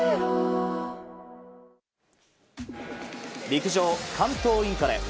陸上、関東インカレ。